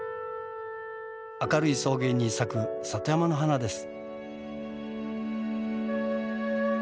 明るい草原に咲く里山の花です。